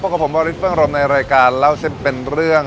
กับผมวาริสเฟิงรมในรายการเล่าเส้นเป็นเรื่อง